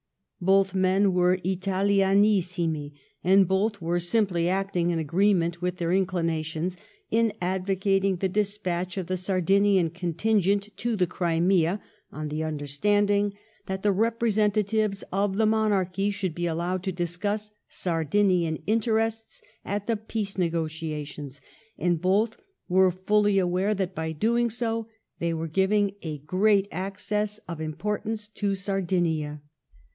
Both men were Italianissimi ; and both were simply acting in agree ment with their inclinations in advocating the despatch of the Sardinian contingent to the Crimea on the under standing that the representatives of the monarchy should be allowed to discuss Sardinian interests " at the peace negotiations^ and both were fully aware that by so doing they were giving a great access of import ance to Sardinia.